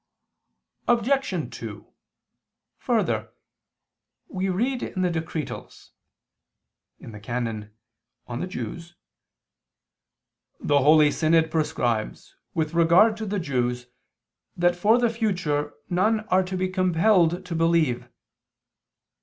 Obj. 2: Further, we read in the Decretals (Dist. xlv can., De Judaeis): "The holy synod prescribes, with regard to the Jews, that for the future, none are to be compelled to believe."